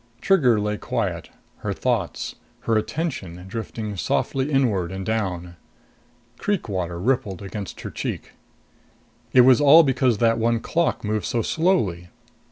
Trigger lay quiet, her thoughts, her attention drifting softly inward and down. Creek water rippled against her cheek. It was all because that one clock moved so slowly.